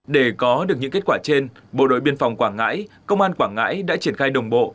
để có được những kết quả trên bộ đội biên phòng quảng ngãi công an quảng ngãi đã triển khai đồng bộ